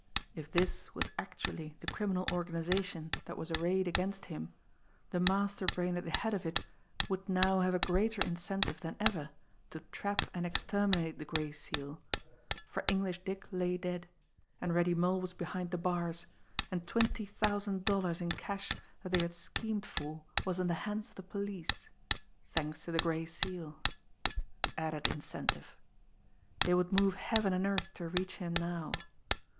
If this was actually the criminal organisation that was arrayed against him, the master brain at the head of it would now have a greater incentive than ever to trap and exterminate the Gray Seal, for English Dick lay dead, and Reddy Mull was behind the bars, and twenty thousand dollars in cash that they had schemed for was in the hands of the police thanks to the Gray Seal! Added incentive! They would move heaven and earth to reach him now!